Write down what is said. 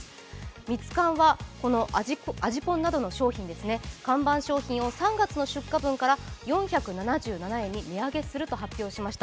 ミツカンは味ぽんなどの商品、看板商品を３月の出荷分から４４７円に値上げすると発表しました。